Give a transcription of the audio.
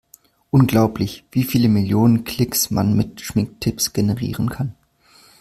Unglaublich, wie viele Millionen Klicks man mit Schminktipps generieren kann!